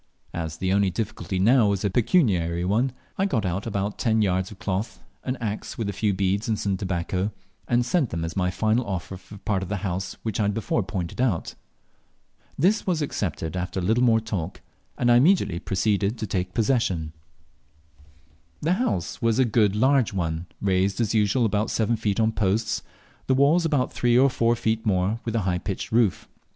As the only difficulty now was a pecuniary one, I got out about ten yards of cloth, an axe, with a few beads and some tobacco, and sent them as my final offer for the part of the house which I had before pointed out. This was accepted after a little more talk, and I immediately proceeded to take possession. The house was a good large one, raised as usual about seven feet on posts, the walls about three or four feet more, with a high pitched roof.